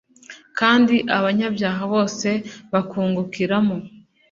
kandi abanyabyaha bose bakungukiramo